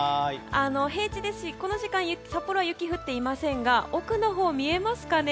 平地ですし、この時間札幌は雪が降っていませんが奥のほう見えますか？